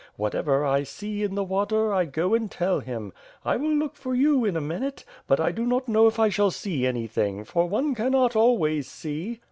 Whatever I see in the water I go and tell him. I will look for you in a minute, but I do not know if I shall see anything; for one cannot always see."